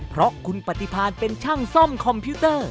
เพราะคุณปฏิพาณเป็นช่างซ่อมคอมพิวเตอร์